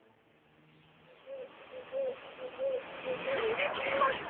にげきりました！